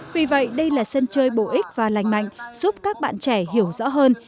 vì vậy đây là sân chơi bổ ích và lành mạnh giúp các bạn trẻ hiểu rõ hơn